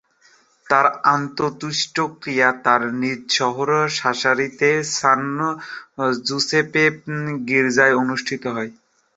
তার অন্ত্যেষ্টিক্রিয়া তার নিজ শহর সাসারিতে সান জুসেপ্পে গির্জায় অনুষ্ঠিত হয়।